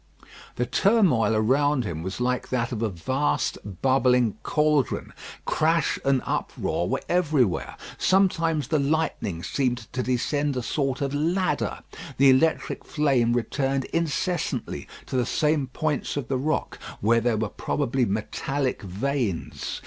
The turmoil around him was like that of a vast bubbling cauldron. Crash and uproar were everywhere. Sometimes the lightning seemed to descend a sort of ladder. The electric flame returned incessantly to the same points of the rock, where there were probably metallic veins.